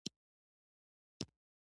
د پښتو شعر ډېر خوږ او مانیز دی.